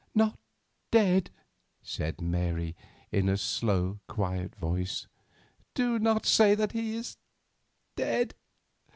"Not dead?" said Mary, in a slow, quiet voice. "Do not say that he is dead!"